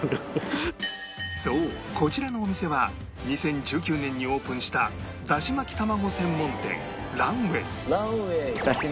そうこちらのお店は２０１９年にオープンしたそれがうまそう！